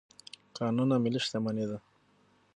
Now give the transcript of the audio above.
کانونه ملي شتمني ده.